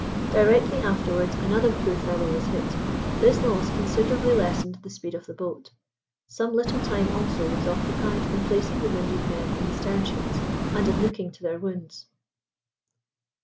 Directly afterwards another poor fellow was hit. This loss considerably lessened the speed of the boat; some little time also was occupied in placing the wounded men in the stern sheets, and in looking to their wounds.